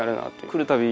来るたび